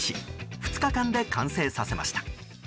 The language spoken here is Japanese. ２日間で完成させました。